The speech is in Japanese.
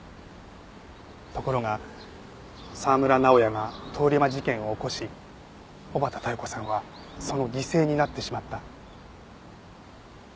ところが沢村直哉が通り魔事件を起こし小畠妙子さんはその犠牲になってしまった。